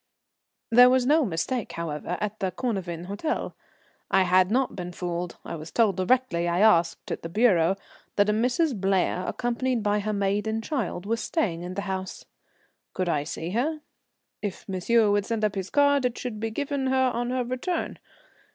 There was no mistake, however, at the Cornavin Hôtel. I had not been fooled. I was told directly I asked at the bureau that a Mrs. Blair, accompanied by her maid and child, was staying in the house. Could I see her? If monsieur would send up his card, it should be given her on her return.